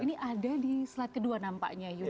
ini ada di slide kedua nampaknya yuda